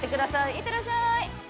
いってらっしゃい。